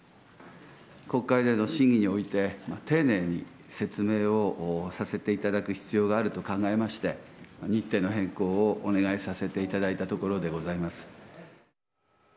国会での審議において、丁寧に説明をさせていただく必要があると考えまして、日程の変更をお願いさせていただいたところでございます。